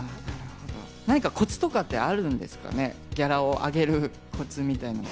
何かコツとかってあるんですかね、ギャラを上げるコツみたいな。